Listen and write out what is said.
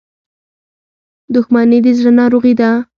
• دښمني د زړه ناروغي ده.